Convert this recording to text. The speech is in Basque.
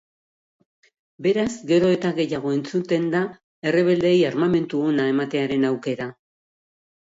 Beraz, gero eta gehiago entzuten da errebeldei armamentu ona ematearen aukera.